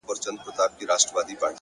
هره ناکامي د نوې هڅې پیل دی.